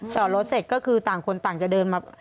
จอดรถเสร็จก็คือต่างคนต่างจะเดินมา